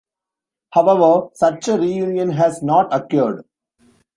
However such a reunion has not occurred.